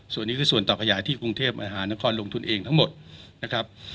ส่วนนี้คือส่วนต่อขยายที่กรุงเทพมหานครลงทุนเองทั้งหมดนะครับ